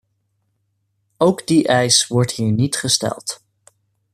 Ook die eis wordt hier niet gesteld.